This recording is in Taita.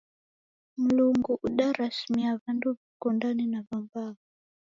Mlungu udarasimia w'andu w'ikundane na w'ambao.